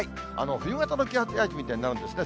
冬型の気圧配置みたいになるんですね。